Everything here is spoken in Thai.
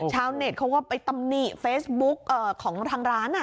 เน็ตเขาก็ไปตำหนิเฟซบุ๊กของทางร้าน